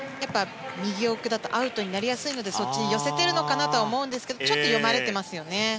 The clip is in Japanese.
右奥だとアウトになりやすいのでそっちに寄せているのかなと思うんですけどちょっと読まれてますよね。